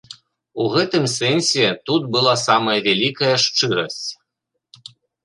У гэтым сэнсе тут была самая вялікая шчырасць.